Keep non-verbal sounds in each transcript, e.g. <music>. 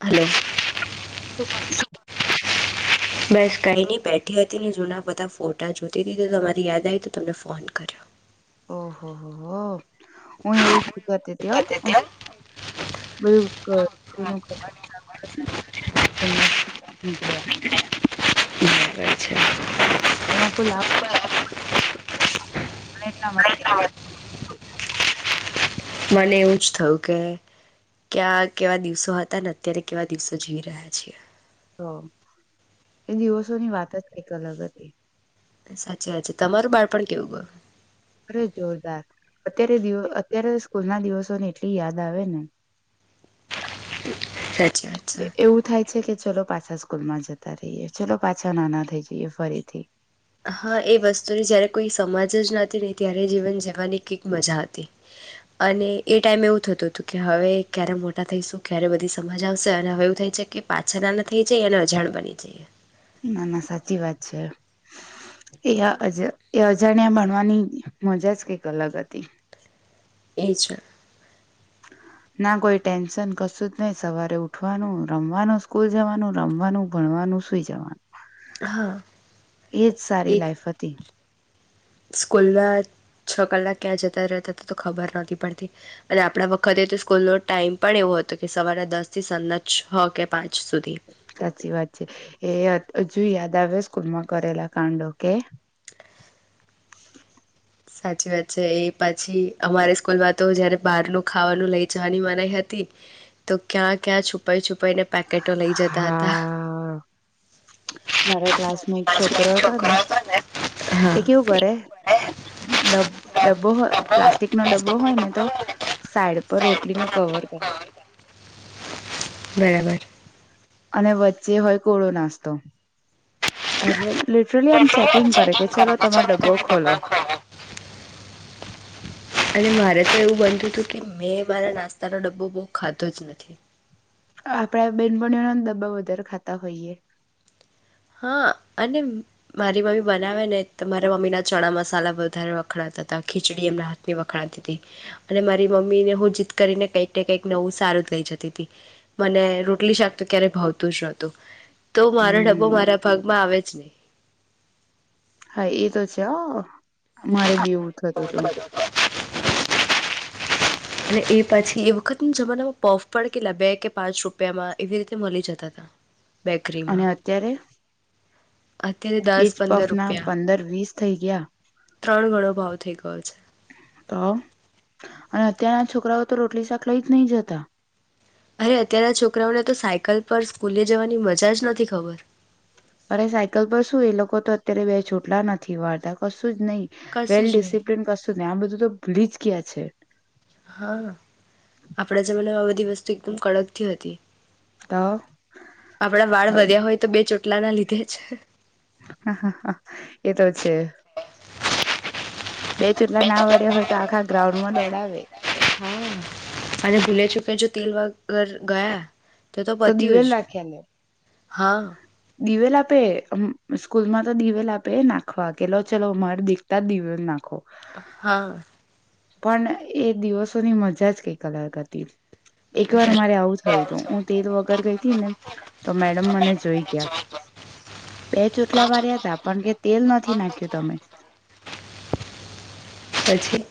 Hello super બસ કઈ નહી બેઠી હતી ને જૂના બધા ફોટા જોતી હતી તો તમારી યાદ આવી તો તમને ફોન કર્યો ઓહ હો હો હું એવું જ કરતી ત્યાં બધું જુનુ કબાટ સાફ કરીને નીકળ્યા <unintelligible> છે તનો કોઈ લાભ હા એટલામાં <inaudible> મને એવું જ થયું કે ક્યા કેવા દિવસો હતા ને અત્યારે કેવા દિવસો જીવી રહ્યા છીએ તો એ દિવસોની વાત જ કઈક અલગ હતી સાચી વાત છે તમારું બાળપણ કેવું ગયુ અરે જોરદાર અત્યારે અત્યારે સ્કૂલ ના દિવસોને એટલી યાદ આવે ને સાચી વાત છે એવું થાય છે કે ચલો પા પાછા સ્કૂલમાં જતા રહીએ ચલો પાછા નાના થઈ જઈએ ફરીથી હા એ વસ્તુની જયારે કોઈ સમાજ જ નહતી નહી ત્યારે જીવન જવાની કઈક મજા હતી અને એ ટાઈમે એવું થતું હતું કે હવે ક્યારે મોટા થઈશું ક્યારે બધી સમાજ આવશે અને હવે એવું થાય છે કે પાછા નાના થઈ જાય અને અજાણ બની જઈએ ના ના સાચી વાત છે એ એ અજાણ્યા ભણવાની મજા જ કઈક અલગ હતી એ છે ના કોઈ ટેન્શન કશું જ નહી સવારે ઉઠવાનું રમવાનું સ્કૂલ જવાનું રમવાનું ભણવાનું સુઈ જવાનું હા એજ સારી લાાઈફ હતી સ્કૂલમાં છ કલાક ક્યાં જતા રહેતા હતા તો ખબર નથી પડતી અને આપણા વખતે તો સ્કૂલનો ટાઈમ પણ એવો હતો કે સવારે દસ થી સાંજના છો કે પાંચ સુધી સાચી વાત છે એ હજુ યાદ આવે સ્કૂલ માં કરેલા કાંડો કે સાચી વાત છે એ પછી અમારે સ્કૂલમાં તો જયારે બહારનુ ખાવાનું લઇ જવાની મનાઈ હતી તો ક્યાં ક્યાં છુ છપાઈ છુપાઈને પેકેટો લઈ જતા હતા હા મારા ક્લાસમાં એક છોકરો હતો ને છોકરાઓ હોયને એ એ કેવું કેવુ કરે ડબ્બો પ્લાસ્ટિક નો ડબ્બો હોય ને તો સા ડ સાઈડ રોટલી નુ પર મૂકીને કવર કરીે મૂકવાનો. બરાબર અને વચ્ચે હોય કોળો નાસ્તો અ લિટરલી આમ ચેકિંગ કરે કે ચલો તમારો ડબ્બો ખોલો અને મારે તો એવું બનતું હતું કે મેં મારા નાસ્તાનો ડબ્બો બહ ખાધો જ નથી આપડા બેનપણો ઓના ડબ્બા વધારે ખાતા હોઈએ હા અને મારી મમ્મી બનાવે ને તો મારા મમ્મી ના ચણા મસાલા વધારે વખણાતા હતા ખીચડી એમના હાથની વખણાતી હતી અને મારી મમ્મી ને હું જીદ કરીને કંઈક ને કંઈક નવું સારું જ લઈ જતી ત હતી મને રોટલી શાક તો ક્યારે ભાવતું જ નહતું તો મારા ડબ બહ હમ મારા ભાગમાં આવે છે ને હા એ તો છે હ મારે બી એવું થતું હતું અને એ પછી એ વખતના જમાનામાં પોફડ કેટલા બે કે પાંચ રૂપિયામાં એવી રીતે મળી જતા હતા બેકરીમાં અને અત્યારે અત્યારે દસ એજ પંદર પફ ના રૂપિયા પંદર વીસ થઈ ગયા ત્રણ ગણો ભાવ થઈ ગયો છે તો અને અત્યારના છોકરાઓ તો રોટલી શાક લઈ જ નહી જતા અરે અત્યાર છોકરાઓને તો સાયકલ પર સ્કૂલે જવાની મજા જ નથી ખબર અરે સાયકલ પર શું એ લોકો તો અત્યારે બે ચોટલા નથી વાળતા કશું જ નહી કશું વેલ જ નહી ડિસિપ્લન કશું ન આમ બધું તો ભૂલી જ ગયા છે હા આપણા જમાનામાં આ બધી વસ્તુ એકદમ કડકથી હતી તો આપડા વાળ હ વધ્યા હોય તો બે ચોટલાના લીધે જ હ હ એતો છે બે ચૂટલા ના વર્યા હોય તો આખા ગ્રાઉન્ડમાં દોડાવે હા અને ભૂલે ચૂકે જો તેલ વગર ગયા તો દીવેલ નાખ્યાને હા દિવેલ આપેમ સ્કૂલ માં તો દિવેલ આપે નાખવા કેલો ચલો માર દીખતા દિવેલ નાખો હા પણ એ દિવસોની મજા જ કઈ અલગ હતી. એક વાર મારે આવું થયું હતું હું તેલ વગર ગઈ હતી ને તો મેડમ મને જોઈ ગયા બે ચોટલા વાર્યા હતા પણ કે તેલ નથી નાખ્યું તમે. પછી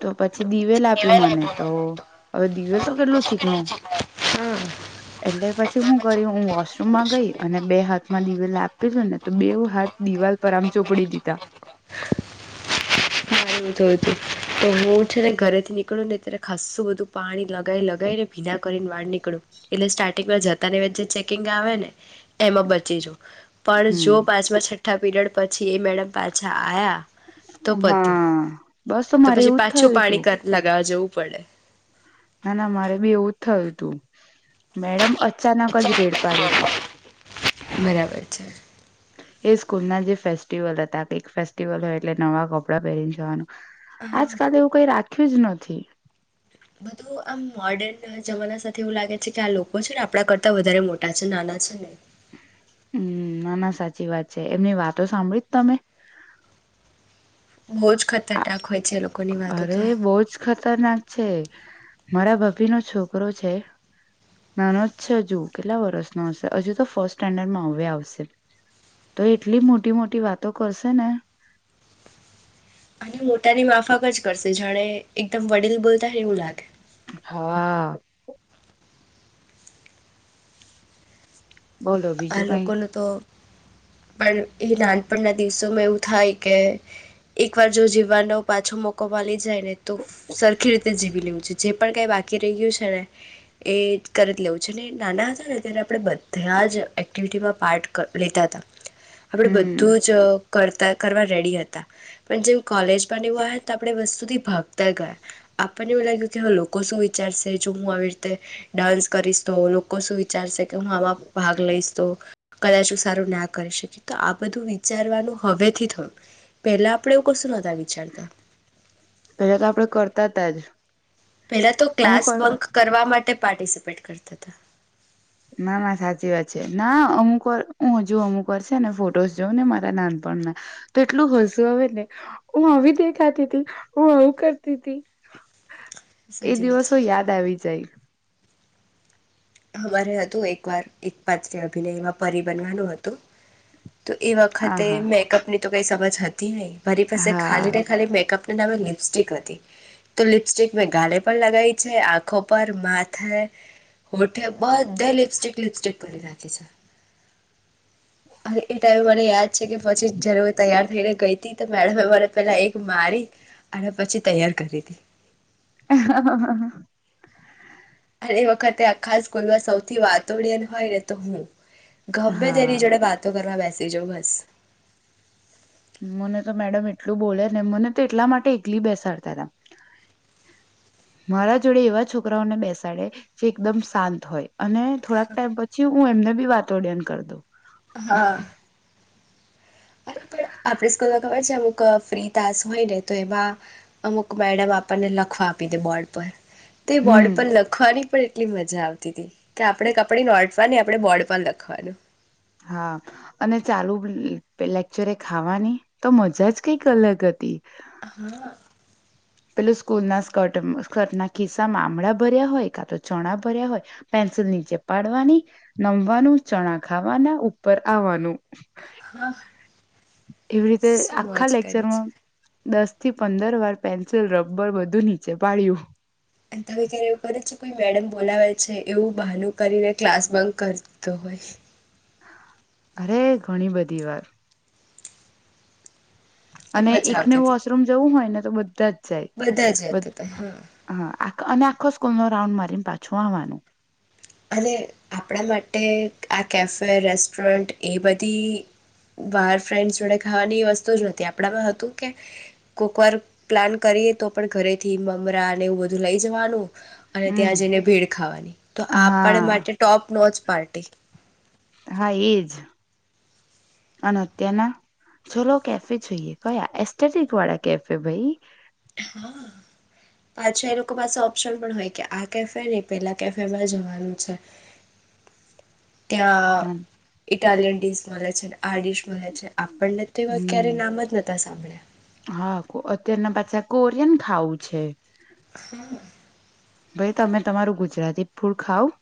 તો પછ પછી દિવેલ આપ્યું લેવાય નહી મને તો ભણવાનું હવે દિવેલ આ તો કેટલું દિવસો ચીકણું કેટલી હા એટલે પછી હું કરી હું વોશરૂમમાં ગઈ અને બે હાથ માં દિવેલ આપેલું ને તો બે હાથ દિવાલ પર આમ ચોપડી દીધા. મારે તો હું છે ને ઘરે થી નીકળું ને ત્યારે ખાસું બધું પાણી લગાવ લગાવી ને ભીલાા કરીને વાળ નીકળું એટલે સ્ટાર્ટિંગમાં જતા ની વા જે ચેકિંગ આવે ને એમાં બચી જો પણ જો હમ પાંચમા છઠ છઠ્ઠા પીરિયડ પછી એ મેડમ પાછા આવ્યા. હા. બસ તો મારે પછી એવું જ પાછું થયું હતું પાણી લગાવ જવું. પડે. ના ના મારે બી એવું થયું હતું. મેડમ અચાનક જ રેડ પાડી હતી. બરાબર છે. એ સ્કૂલ ના જે ફેસ્ટિવલ હતા એક ફેસ્ટિવલ હોય એટલે નવા કપડાં પહેરી જવાનું. આજકાલ એવું કઈ રાખ ખું જ નથી. બધું આમ મોર્ડન જમાના સાથે એવું લાગે છે કે આ લોકો છે ને આપડા કરતા વધારે મોટા છે નાના છે ને. હમ્મ ના ના સાચી વાત છે એમની વાતો સાંભળી તમે? બહુ જ ખતરનાક હોય છે એ લોકોની વાતો અરે તો બહજ ખતરનાક છે મારા ભપ ભી નો છોકરો છે નાનો જ છે હજુ કેટલા વર્સનો હશે હજુ તો ફર્સ્ટ સ્ટેન્ડર્ડમાં હવે આવશે તો એટલી મોટી મોટી વાતો કરશે ને. અને મોટાની માફક જ કરશે જાણે એકદમ વડીલ બોલતા ને એવું લાગે. હા. બોલો આ બીજું કઈ? લોકોનું તો પણ એ નાનપણના દિવસોમાં એવું થાય કે એક વાર જો જીવવાનો પાછો મોકો મલી જાય ને તો સરખી રીતે જીવી લેવું છે જે પણ કઈ બાકી રહય્યું છે ને એ કરી જ લેવું છે ને નાના હતા ને ત્યારે આપણે બધા જ એક્ટિવિટીમાં પાર્ટ લેતા હતા. આપડે હમ બધું જ કરતા કરવા રેડી હતા પણ જેમ કોલેજ બ એ હોય તો આપે વસ્ત સુ ભાગતા ગયા આપને એવું લાગ્યું કે લોકો શું વિચારશે જો હું આવી રીતે ડાન્સ કરીશ તો લોકો શું વિચારશે. કે હુંમાં આમા ભાગ લઇશ. કદાચ સારું ના કરી શકી તો આ બધું વિચારવાનું હવે થી થયું પેલા આપડે એવું કશું નહોતા વિચારતા પેલા તો આપડે કરતા હતા જ. પેલા તો અમુક ક્લાસ વાર બક કરવા માટે પાર્ટિસિપેટ કરતા હતા ના ના સાચી વાત છે ના અમુક કર હ હજુ અમુ કરશે ને ફોટોસ જોઉં ને મારા નાનપણમાં તો એટલું હસુ હ ને હું આવી દેખાતી ત હું આવું કરતી હતી એ સાચી વાત છે દિવસો યાદ આવી જાય અમારે હતું એકવાર એક પાત્ર અભિનયમાં પરી બનવાનું હતું તો એ આ વખતે હા મેકઅપ ની તો કઈ સમબજ જતી નહીં મારી પાસે હા ખાલી ને ખાલી મેકઅપ નામે લિપસ્ટિક હતી તો લિપસ્ટિક મેં ગાળે પણ લગાવી છે આંખો પર માથે હોઠે બધે લિપ્સ્ટિક લિપસ્ટિક કરી નાખે છે એ ટાઈમે મને યાદ છે કે પછી જરૂ તૈયાર થઈ ને ગઈ મેડમરે પેલા એક મારી અને પછી તૈયાર કરી હતીી હ હ ઘણી વખતે આ ખાસ ખોલવા સૌથી વાતોડિયન હોય ને તો હું ગમે હા તેની જોડે વાતો કરવા બેસે સી જો બસ મને તો મેડમ એટલું બોલે ને મને તો એટલા માટે એકલી બેસાડતા હતા મારા જોડે એવા છોકરાઓને બેસાડે જે એકદમ શાંત હોય અને થોડાક ટાઈમ પછી હું એમને વાતોડન કર દો હા અરે પણ આપણે સ્કૂલ ખબર છે અમુક ફ્રી તાસ હોય ને તો એમાં અમુક મેડમ આપણને લખવા આપી દે બોર્ડ પર તે હમ વોર્ડ પર લખવાની પણ એટલી મજા આવતી હતી કે આપણે કપડી નોટવાની આપણે બોર્ડ પર લખવાનું હા અને ચાલુ લેક્ચરે ખાવાની તો મજા જ કઈક અલગ હતી હા પેલું સ્કૂલના સ્કર્ટ સ્કર્ટના ખિસ્સામાં આમળા ભર્યા હોય કાં તો ચણા ભર્યા હોય પેન્સિલ નીચે પાડવાની નમવાનું ચણા ખાવાના ઉપર આવવાનું હા એવી રીતે આખા છે લેક્ચરમાં દસ થી પંદર વાર પેન્સિલ રબર બધું નીચે પાડ્યું અને ત્યારે કયારે એવું કરે છે કોઈ મેડમ બોલાવે છે એવું બાનુ કરીને ક્લાસ બંક કરતો હોય અરે ઘણી બધી વાર એ અને મજા એકને આવતી હતી વોશરૂમ જવું હોય ને તો બધાજ બધા જ હતા હા આ અને આખો સ્કૂલનો રાઉન્ડ મારીને પાછું આવવાનું અને આપણા માટે આ કેફે રેસ્ટોરન્ટ એ બધી બહાર ફ્રેન્ડ્સ જોડે ખાવાની વસ્તુ જ નથી આપણામાં હતું કે કોઈક વાર પ્લાન કરીએ તો પણ ઘરેથી મમરા અને એવું બધું લઈ જવાનું અને હમ ત્યાં જઈને ભેડ ખાવાની તો આપ આપ હા માટે ટોપ નો પાર્ટી. હા એજ અને અત્યારના ચોલો કેફે જોઈએ કયા એસ્ટેટિક વાળા કેફે ભાઈ. હા પાછા એ લોકો પાસે ઓપ્શન પણ હોય કે આ કેફે ને પેલા કેફેમાં જવાનું છે. ત્યાં એક ટાલનસ માંલા છે. આડીશ મળે છે આપણને તેવા હમ ક્યારેય નામ જ નતા સાંભળ્યા. હા અત્યારના પાછા કોરિયન ખાવું છે. હા ભાઈ તમે તમારું ગુજરાતી ફૂડ ખાવ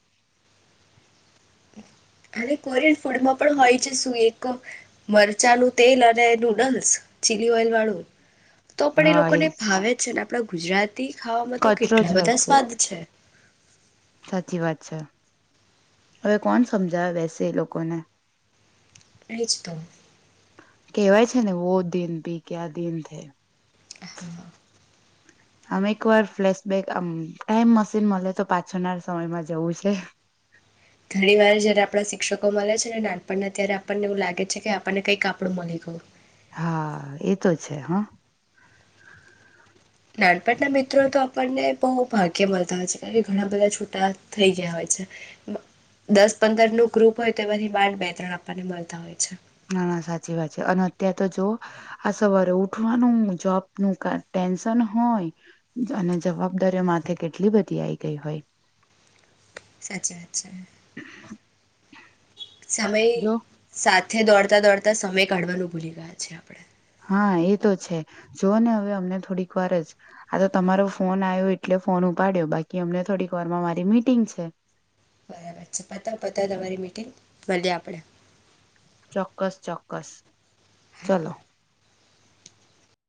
અને કોરિયન ફૂડમાં પણ હોય છે શું એક મરચાંનું તેલ અને નુડલ્સ ચીલી ઓઇલ વાળું તો પણ એ લોકો ને ભાવે છે ને આપણા ગુજરાત તે ખાવામાં તો કચરો કેટલા જ હોય બધા સ્વાદ છે. સાચી વાત છે, હવે કોણ સમજાય બેસે એ લોકોને એજ તો કેહેવાય ને વો દિન ભી કયા દિન થે હા હા આમ એક વાર ફ્લેશબેક આમ ટાઈમ મશીન મળે તો પાછનાર સમયમાં જવું છે. ઘણી વાર જયારે આપણા શિક્ષકો મલે છે ને નાનપણના ત્યારે આપણને એવું લાગે છે કે આપણને કઈક આપડું મળ્યું હા એતો છે હો નાનપણના મિત્રો તો આપણને બહુ ભાગ્ય મળતા હોય છે કારણ કે ઘણા બધા છૂટા થઈ ગયા હોય છે, દસ, પંદર નું ગ્રુપ હોય તેમાંથી બાાર, બે, ત્રણ, આપણને મળતા હોય છે. ના સાચી વાત છે, અને અત્યારે તો જો આ સવારે ઉઠવાનું જોબનું ક ટેન્શન હોય અને જવાબદારીઓ માથે કેટલી બધી આઈ ગઈ હોય સાચી વાત છે. <unintelligible> સમય જો સાત સાથે દોડતા દોડતા સમય કાઢવાનું ભૂલી ગયા છે આપણે હા એ તો છે જોઓ ને હવે અમને થોડીક વાર જ આ તો તમારો ફોન આવ્યો એટલે ફોન ઉપાડ્યો બાકી અમને થોડીક વારમાં મારી મીટિંગ છે. બરાબર છે પતાવપતાવ તમારી મીટિંગ મળ્યા આપડે ચોક્કસ ચોક્કસ, હા ચલો